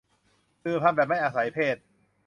สืบพันธุ์แบบไม่อาศัยเพศ